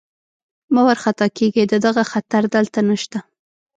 مه وارخطا کېږئ، د دغه خطر دلته نشته.